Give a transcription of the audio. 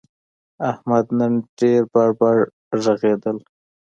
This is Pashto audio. احمد نن ډېر بړ بړ ږغېدل.